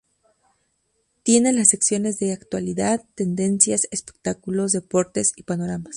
Tiene las secciones de Actualidad, Tendencias, Espectáculos, Deportes y Panoramas.